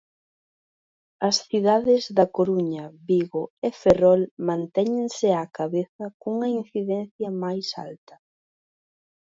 As cidades da Coruña, Vigo e Ferrol mantéñense á cabeza cunha incidencia máis alta.